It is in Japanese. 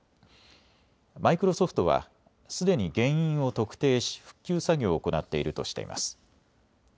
マイクロソフトはすでに原因を特定し復旧作業を行っているとしています。